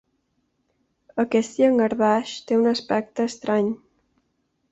Aquest llangardaix té un aspecte estrany.